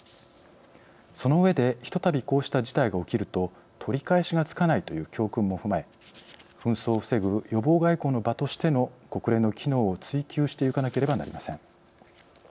その上で、ひとたびこうした事態が起きると取り返しがつかないという教訓も踏まえ紛争を防ぐ予防外交の場としての国連の機能を追求していかなければなりません。